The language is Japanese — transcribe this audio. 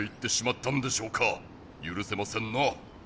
ゆるせませんな！